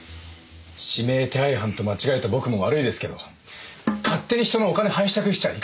指名手配犯と間違えた僕も悪いですけど勝手に人のお金拝借しちゃいかんでしょう。